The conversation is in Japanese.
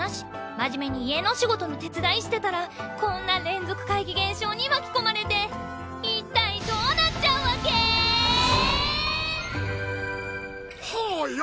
真面目に家のお仕事の手伝いしてたらこんな連続怪奇現象に巻き込まれて一体どうなっちゃうわけ⁉はぁや！